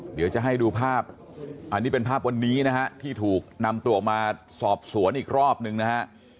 เดี๋ยวจะให้ดูภาพอันนี้เป็นภาพวันนี้นะฮะที่ถูกนำตัวมาสอบสวนอีกรอบนึงนะฮะ